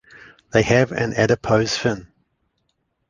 They have an adipose fin.